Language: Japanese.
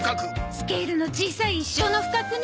スケールの小さい一生の不覚ね。